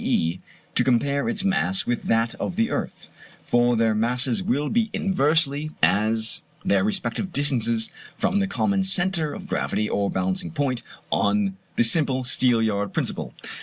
e. to compare its mass with that of the earth; for their masses will be inversely as their respective distances from the common centre of gravity or balancing point on the simple steel yard principle.